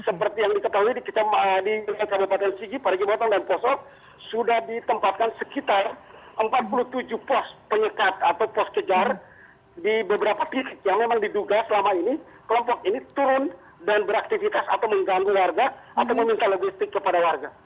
seperti yang diketahui di kabupaten sigi pariwisata dan poso sudah ditempatkan sekitar empat puluh tujuh pos penyekat atau pos kejar di beberapa titik yang memang diduga selama ini kelompok ini turun dan beraktivitas atau mengganggu warga atau meminta logistik kepada warga